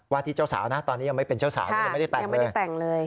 วาทิเจ้าสาวนะตอนนี้ยังไม่เป็นเจ้าสาวยังไม่ได้แต่งเลย